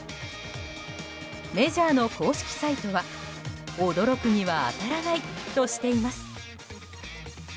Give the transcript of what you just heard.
メジャーの公式サイトは驚くには当たらないとしています。